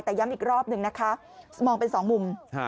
แต่ย้ำอีกรอบหนึ่งนะคะมองเป็นสองมุม